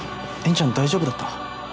ちゃん大丈夫だった？